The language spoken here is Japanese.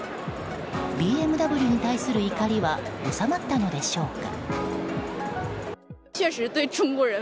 ＢＭＷに対する怒りは収まったのでしょうか。